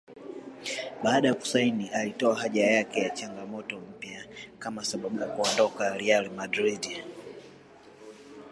Baada ya kusaini alitoa haja yake na changamoto mpya kama sababu ya kuondoka RealMadrid